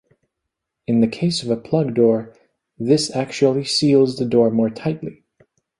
In the case of a plug door, this actually seals the door more tightly.